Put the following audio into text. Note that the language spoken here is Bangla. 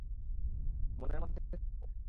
মনের মধ্যে কিছু হয়।